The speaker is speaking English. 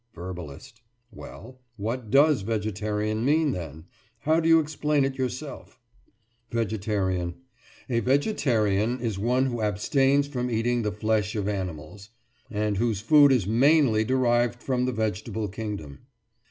VERBALIST: Well, what does "vegetarian" mean, then? How do you explain it yourself? VEGETARIAN: A "vegetarian" is one who abstains from eating the flesh of animals, and whose food is mainly derived from the vegetable kingdom.